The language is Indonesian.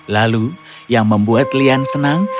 lalu yang membuat lian senang